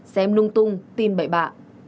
xem lung tung tin bậy bạ